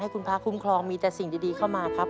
คุณพระคุ้มครองมีแต่สิ่งดีเข้ามาครับ